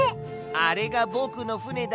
あれがぼくのふねだ。